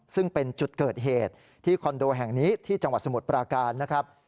ซึ่งเป็นจุดเกิดเหตุที่คอนโดแห่งนี้ที่จังหวัดสมุทรปราการนะครับ